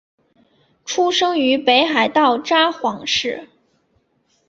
出生于北海道札幌市。